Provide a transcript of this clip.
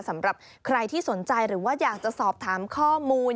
สำหรับใครที่สนใจหรือว่าอยากจะสอบถามข้อมูล